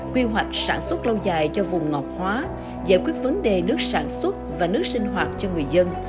quy hoạch sản xuất lâu dài cho vùng ngọt hóa giải quyết vấn đề nước sản xuất và nước sinh hoạt cho người dân